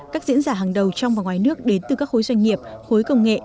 các diễn giả hàng đầu trong và ngoài nước đến từ các khối doanh nghiệp khối công nghệ